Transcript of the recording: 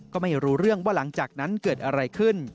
ก็ไม่รู้เรื่องว่าหลังจากนั้นเกิดอะไรขึ้น